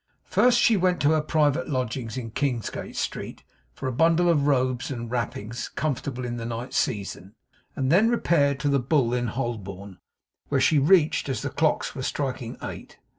First, she went to her private lodgings in Kingsgate Street, for a bundle of robes and wrappings comfortable in the night season; and then repaired to the Bull in Holborn, which she reached as the clocks were striking eight.